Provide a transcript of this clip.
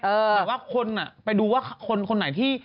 แต่ว่าคนไปดูว่าคนไหนที่